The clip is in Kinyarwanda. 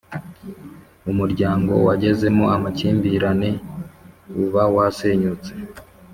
umuryango wagezemo amakimbirane uba wasenyutse